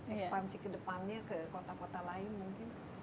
ekspansi ke depannya ke kota kota lain mungkin